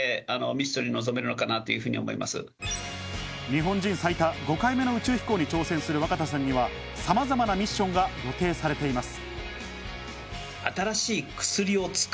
日本人最多５回目の宇宙飛行に挑戦する若田さんには様々なミッションが予定されています。